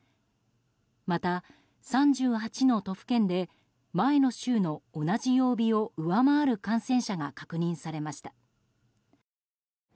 また３８の都府県で前の週の同じ曜日を上回る感染者が確認されました。